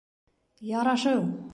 — Ярашыу!